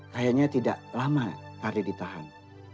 kayaknya tidak lama karir ditahan